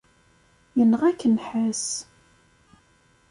Yenɣa-k nnḥas.